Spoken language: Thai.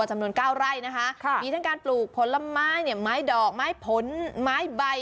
จำนวน๙ไร่นะคะมีทั้งการปลูกผลไม้เนี่ยไม้ดอกไม้ผลไม้ใบ